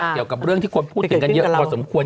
เกี่ยวกับเรื่องที่คนพูดถึงกันเยอะพอสมควร